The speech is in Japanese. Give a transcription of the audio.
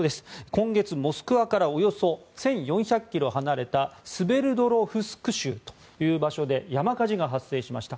今月、モスクワからおよそ１４００ｋｍ離れたスベルドロフスク州という場所で山火事が発生しました。